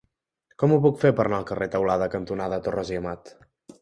Com ho puc fer per anar al carrer Teulada cantonada Torres i Amat?